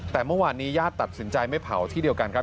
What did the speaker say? แต่เมื่อวานนี้ญาติตัดสินใจไม่เผาที่เดียวกันครับ